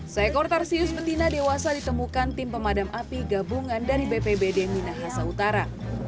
seekor tarsius betina dewasa ditemukan tim pemadam api gabungan dari bpbd minahasa utara